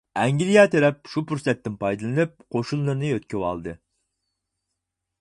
ئەنگلىيە تەرەپ شۇ پۇرسەتتىن پايدىلىنىپ، قوشۇنلىرىنى يۆتكىۋالدى.